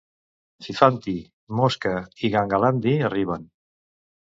Fifanti, Mosca i Gangalandi arriben.